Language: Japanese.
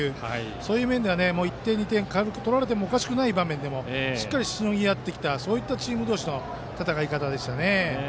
そういう意味では１点、２点軽く取られてもおかしくない場面でしのいだそういったチーム同士の戦い方でしたね。